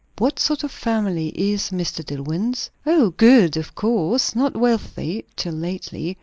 "What sort of family is Mr. Dillwyn's?" "O, good, of course. Not wealthy, till lately.